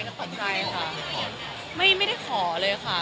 เลยตกใจค่ะไม่ได้ขอเลยค่ะ